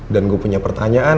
dan gue punya pertanyaan